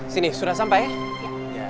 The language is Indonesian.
sini sudah sampai ya